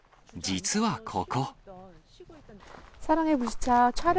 実はここ。